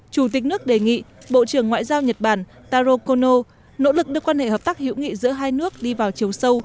chủ tịch nước đề nghị bộ trưởng ngoại giao nhật bản taro kono nỗ lực đưa quan hệ hợp tác hữu nghị giữa hai nước đi vào chiều sâu